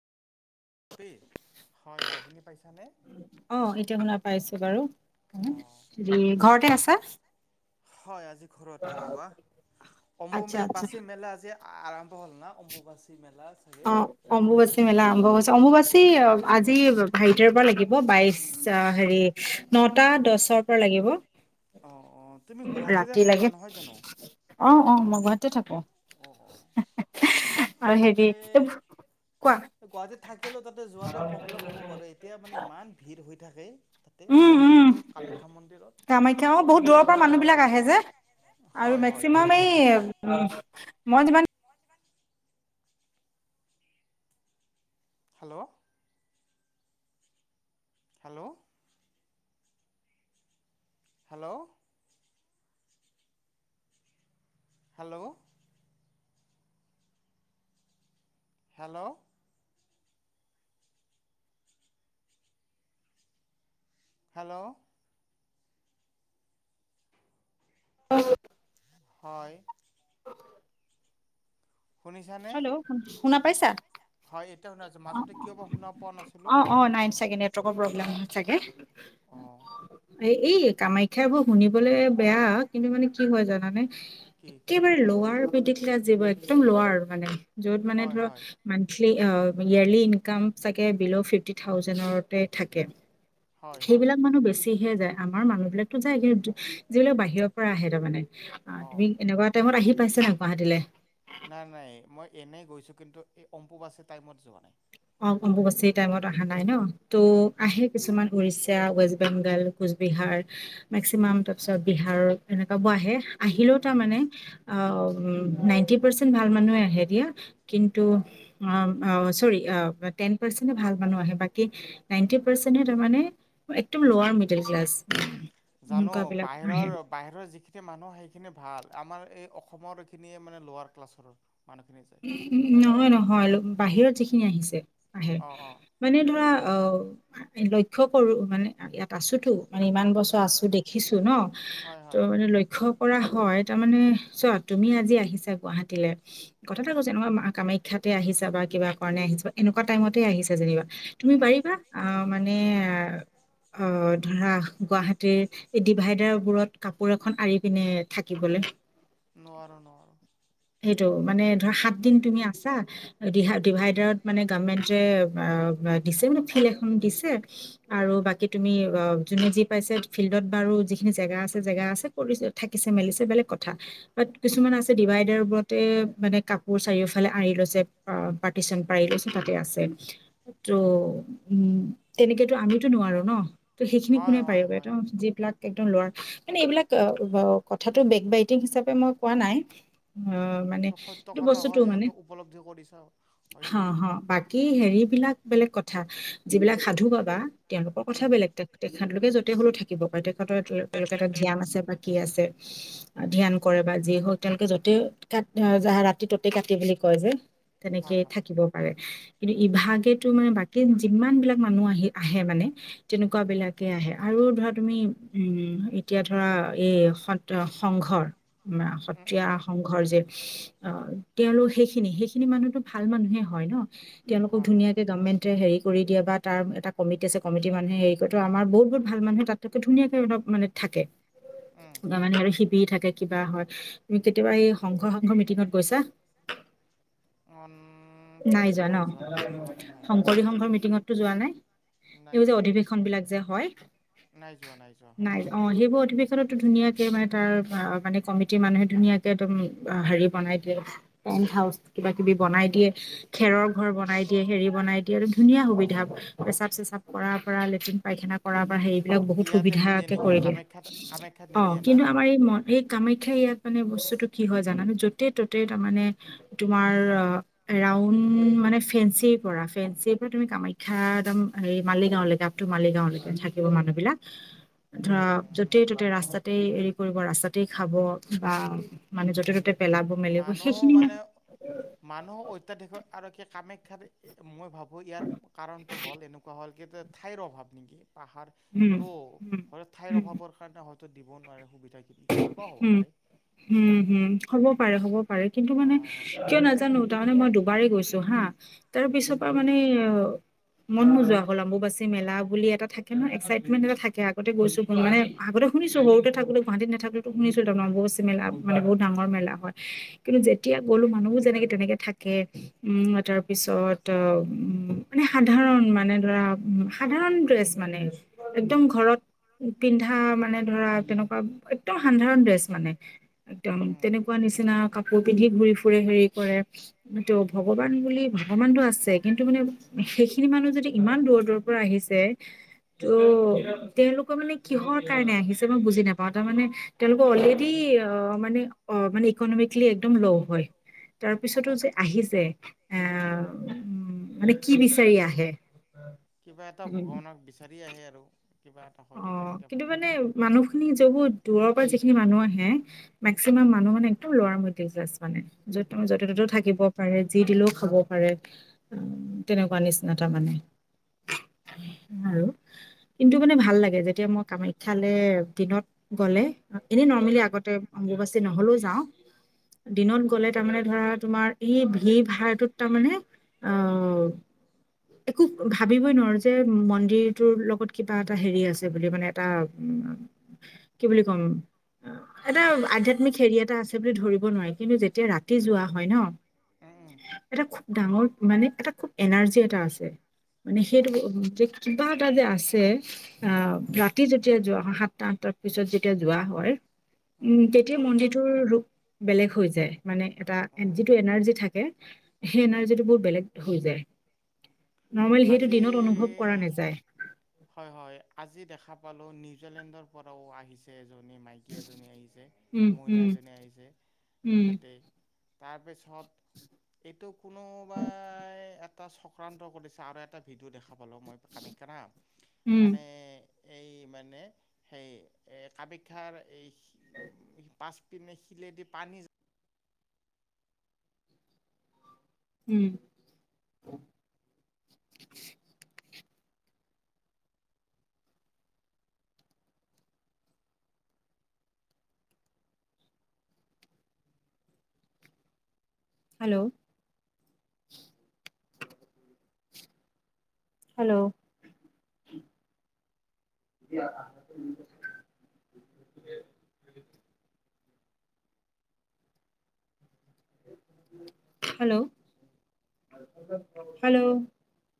P হয় হয় শুনি পাইছানে? অ', এতিয়া শুনা পাইছোঁ বাৰু অঁ। হেৰি ঘৰ [unintelligible] হয়, আজি ঘৰতে ৰ'বা, আচ্ছা আচ্ছা অম্বুবে-বাচী মেলা আজি আৰম্ভ হ'ল ন! অম্বুবাচী মেল অ', অম্বুবাচী মেলা আৰম্ভ হৈছে অম্বুবাচ চী, অ', আজি হেৰিটৰ পৰা লাগিব বাইচ আ, হেৰি, নটা দছৰ পৰা লাগিব। অঁ অঁ তুমি গুৱাহাটীতে ৰাতি থাকা লাগে নহয় জানো? অ', অ', মই গুৱা তে থাকোঁ অ', আৰু অ', তাতে হেৰি কোৱা গুৱাহাটীত থাকিলেও তাতে যোৱাতে প্ৰব্লেম হ'ব পাৰে, এতিয়া মানে ইমান ভিৰ হৈ থাকে তাতে উম, উম মন্দিৰটো কামাখ্যা মন্দিৰত। কামাখ্যা অ', বহুত দূৰৰ পৰা মানুহবিলাক আহে যে, আৰু হয় হয় মেক্সিমাম এই মই যিমান hello! Hello! Hello! Hello! Hello! Hello! [unintelligible] হয়। শুনিছানে? হেল্ল' শুনা পাইছা? হয় এতিয়া শুনা পাইছো, মাজতে কিয় বা শুনা পোৱা নাছিলো। অ অ নাই চাগে নেটৱৰ্কৰ প্ৰব্লেম চাগে অ। এ, এই কামাখ্যা বৰ শুনিবলৈ বেয়া, কিন্তু মানে কি হয় জানানে? কি একেবাৰে লোৱাৰ পিটি [unintelligible] যিবোৰ একদম লোৱাৰ আৰু মানে যত মানে হয় ধৰ, হয় মন্থলী অ ইয়াৰলী ইনকাম চাগে বিল' ফিফটি থাউজেণ্ডতে থাকে হয় হয় সেইবিলাক মানুহ বেছিহে যায়। আমাৰ মানুহ বিলাকতো যায় যিবিলাক বাহিৰৰ পৰা আহে তাৰমানে অ, অঁ তুমি এনেকুৱা টাইমত আহিব পাইছে ন গুৱাহাটীলৈ নাই, নাই, মই এনেই গৈছো কিন্তু এই অম্পু বাছে টাইমত যোৱা নাই। অ অম্বু বাছি টাইমত অহা নাই ন? ত' উম। আহে কিছুমান উৰিষ্যা, ৱেষ্ট বেংগাল, কোচবিহাৰ, মেক্সিমাম তাৰপিছত বিহাৰ এনেকুৱাবোৰ আহে। আহিলেও তাৰ উম, মানে অ ৱ নাইনটি পাৰ্চেন্ট ভাল মানুহে আহে দিয়া, কিন্তু অ আ চৰি। অ টেন পাৰ্চেন্টহে ভাল মানুহ আহে, বাকী নাইনটি পাৰ্চেন্টে তাৰমানে একদম লোৱাৰ মিডিল ক্লাছ। জানো এনেকুৱাবিলাক আহে। বাহিৰৰ, বাহিৰৰ যিখিনি মানুহ সেইখিনি ভাল। আমাৰ এই অসমৰ এইখিনিয়ে মানে লোৱাৰ ক্লাছৰ। মানুহখিনি যায় উ নহয়-নহয় বাহিৰত যিখি আহিছে আহে অঁ অঁ মানে ধৰা অ লক্ষ্য কৰো মানে, ইয়াত আছোতো। মানে ইমান বছৰ উম, আছো দেখিছো ন, হয় হয় ত' মানে লক্ষ্য কৰা হয়, তাৰমানে চোৱা তুমি আজি আহিছা গুৱাহাটীলে কথা উম এটাকৈছে নহয়, মা কামাখ্ শিক্ষাতে আহিছা বা কিবা কাৰণে আহিছা, এনেকুৱা টাইমতে আহিছে যেনিবা। তুমি উম, পাৰিবা, অ মানে অ ধৰা গুৱাহাটীৰ, এই ডিভাইডাৰ বোৰত কাপোৰ এখন আৰি পিনে থাকিবলৈ নোৱাৰো-নোৱাৰো। সেইটো মানে ধৰা সাত দিন তুমি আছা, ডি ডিভাইডাৰত মানে গ যে আ আ মানে ফিল্ড এখন দিছে আৰু বাকি তুমি অ যোনে যি পাইছে ফিল্ডত বাৰু যিখিনি জেগা আছে, জেগা আছে, থাকিছে-মেলিছে বেলেগ কথা, ব কিছুমান আছে ডিভাইডাৰ মানে কাপোৰ চাৰিওফালে আৰি লৈছে পাৰ্টিচন পাৰি লৈছে তাতে আছে ত' উম তেনেকেতো আমিতো নোৱাৰো ন। ত' সেইখিনি হয় কোনে হয় পাৰিব এটা হয় যিবিলাক এইবিলাক কথাটো বেক বাইটিং হিচাপে মই কোৱা নাই। অ মানে এইটো সত্য কথা হয় মানে এইটো উপলব্ধি কৰিছা হয় হা দিয়া হা বাকী হেৰিবলাক বেলেগ কথা যিবিলাক সাধু বাবা তেওঁলোকৰ কথা উম, বেলেগ তেখেতলোকে য'তে হলেও থাকিব পাৰে। তেওঁলোকে এটা জ্ঞান আছে বা কি আছে উম, ধ্যান কৰে বা যি হওক। তেওঁলোকে য'তে কাত হা যা ৰা ৰাতি ততেই কাটি বুলি কয় যে। হয় তেনেকেই হয়। থাকিব পাৰে। কিন্তু ইভাগে মানে বাকী যিমান বিলাক মানুহ আহি আহে মানে। তেনেকুৱা উম, বিলাকে আহে আৰু ধৰা তুমি উম, এতিয়া ধৰা এই সত্ৰ সংঘৰ আমা উম, সত্ৰীয়া উম, সংঘৰ যে। অ' তেওঁলোক সেইখিনি, সেইখিনি মানুহতো ভাল মানুহে হয় ন। তেওঁলোকক হয় হয়। ধুনীয়াকে গভমেণ্ট হেৰি কৰি দিয়ে বা তাৰ এটা আছে কমিটি আছে কমিটি মানুহে হৰি কৰে ত' আমাৰ বহুত বহুত ভাল মানুহে তাতকে ধুনীয়াকে অল মানে থাকে। উম, তাৰ মানে আৰু সি পি থাকে কিবা হয়, তুমি কেতিয়াবা এই সংঘৰ সংঘৰ মিটিংত কৈছা! [unintelligible] নাই তেনেকৈ যোৱা ন, মই যোৱা নাই হয়, শংকৰী সংঘৰ মিটিংতটো যোৱা নাই। নাই এই যে যোৱা। অধিৱেশন বিলাক যে হয়। নাই যোৱা যোৱা হয় নাই হয়, অ' সেইবোৰ অধিৱেশনত ধুনীয়াকে মানে তাৰ অ' মানে কমিটিৰ মানুহে ধুনীয়াকে ম হেৰি বনাই দিয়ে। টেণ্ড হাউচ কিবা কিবি বনাই দিয়ে। খেৰৰ হয় হয়। ঘৰ বনাই দিয়ে হেৰি বনাই ধুনীয়া সুবিধা, পেচাব চেচাব কৰাৰ পৰা লেট্ৰিন পাইখানা কৰাৰ পৰা হে বিলাক বহুত ইয়াতে নিদিয়ে সুবিধাকে নেকি কৰি দিয়ে। কামাখ্যাত কামাখ্যাত অ' নিদিয়ে না? কিন্তু আমাৰ এই ম এই কামাখ্যা ইয়াত মানে বস্তুতটো কি হয় জানানো য'তেই ত'তে তাৰমানে তোমাৰ ৰাউণ্ড মানে ফেঞ্চিৰ পৰা ফেঞ্চিৰ পৰা তুমি কামাখ্যা একদম মালিগাঁওলৈকে আপ টু মালিগাঁওলৈকে থাকিব মানুহ বিলাক। ধৰা উম, য'তেই হুম। ত'তেই ৰাস্তাতে এৰি কৰিব ৰাস্তাতে খাব বা মানে য'তে ত'তে পেলাব মেলিব মানুহ সেইখিনি মানে, মানুহ অত্যাধিক আৰু কি কামাখ্যাত মই ভাবোঁ ইয়াৰ কাৰণটো হ'ল এনেকুৱা হ'ল কি ঠাইৰ অভাৱ নেকি। পাহাৰ উম উম ত' ঠাইৰ উম অভাৱৰ কাৰণে হয়। ত দিব নোৱাৰে সুবিধাখিনি। তেনেকুৱাও হ'ব উম পাৰে। হম হুম হুম হম হ'ব। পাৰে হ'ব পাৰে কিন্তু মানে হয় হয় কিয় নাজানো তাৰমানে মই দুবাৰ পাৰি গৈছো হা। তাৰপিছৰ পৰা হুম মানে অ মন নোযোৱা হ'ল আম্বুবাচী মেলা বুলি এটা থাকে ন এক্সাইটমেণ্ট এটা থাকে আগতে গৈছো মানে আগতে শুনিছো সৰুতে থাকো গুৱাহাটী নেথা শুনিছো [unintelligible] মেলা মানে বহুত ডাঙৰ মেলা হয়। কিন্তু উম যেতিয়া গ'লো মানুহবোৰ যেনেকে তেনেকে থাকে, উম' তাৰ পিছত, উম' মানে সাধাৰণ মানে ধৰা সাধাৰণ ড্ৰেছ মানে একদম ঘৰত পিন্ধা মানে ধৰা তেনেকুৱা একদম সাধাৰণ ড্ৰেছ মানে একদম উম তেনেকুৱা নিচিনা কাপোৰ পিন্ধি ঘুৰি ফুৰে হেৰি কৰে ত' ভগৱান বুলি ভগৱানটো আছে কিন্তু মানে সেইখিনি মানুহ যদি ইমান ইমান দূৰ দূৰৰ পৰা আহিছে, ত' তেওঁলোকৰ মানে কিহৰ কাৰণে আহিছে মই বুজি নাপাওঁ তাৰমানে তেওঁলোকৰ অলৰেডি অ' মানে অ' মানে ইকনমিকেলি একদম লো হয় হ'ব তাৰপিছতো যে পাৰে আহিছে, এ উম মানে কি বিচাৰি আহে। কিবা এটা উম ভগৱানক বিচাৰি আহে আৰু। কিবা এটা হয়তো অ' তেনেকৈ কিন্তু ভাবে মানে মানুহখিনি [unintelligible] দূৰৰ পৰা যিখিনি মানুহ আহে। মেক্সিমাম মানুহ মানে একদম লোৱাৰ [unintelligible] মানে। য' ত য'তে ত'তো থাকিব উম পাৰে যি দিলেও খাব। [unintelligible] তেনেকুৱা নিচিনা তাৰ মানে, আৰু কিন্তু মানে ভা ভাল লাগে যেতিয়া মই কামাখ্যালৈ দিনত গ'লে। এনেই নৰ্মেলি উম আগতে অম্বুবাচী নহলেওঁ যাওঁ। দিনত গ'লে তাৰমানে ধৰা তোমাৰ এই ভিৰ ভাৰটোত তাৰমানে অ' একো ভাবিবই নোৱাৰো যে মন্দিৰটোৰ লগত কিবা এটা হেৰি আছে বুলি মানে এটা উম' কি বুলি ক'ম, এটা আধ্যাত্মিক হেৰি এটা আছে বুলি ধৰিব নোৱাৰি কিন্তু যেতিয়া ৰাতি যোৱা হয় ন, উম উম এটা খুব ডাঙৰ মানে এটা খুব এনাৰ্জি এট [unintelligible] আছে, মানে সেইটো আচ্ছা যে কিবা এটা যে আছে। অ' উম ৰাতি যেতিয়া যোৱা হয় সাতটা আঠটাৰ পিছত যেতিয়া যোৱা হয়, উম' তেতিয়া মন্দিৰটোৰ ৰূপ বেলেগ হৈ যায়। মানে এটা যিটো অঁ এনাৰ্জি থাকে। সেই এনাৰ্জিটো বহুত বেলেগ হৈ যায়। নৰ্মেল সেইটো দিনত অনুভৱ কৰা আজি নেযায়। হয় হয় আজি দেখা পালো নিউজিলেণ্ডৰ পৰাও আহিছে। [unintelligible] মাইকী এজনী আহিছে, উম মহিলা উম এজনী আহিছে উম তেখেতে তাৰপিছত, এইটো কোনো এ এটা চক্ৰান্ত কৰিছে আৰু এটা ভিডিঅ দেখা [unintelligible] মই কাম্যাখা না উম মানে এই মানে সেই এই কামাখ্যাৰ এই পাঁচ পিনে শিলেদি পানী যা উম। হেল্ল'। হেল্ল'। [unintelligible] Hello, hello.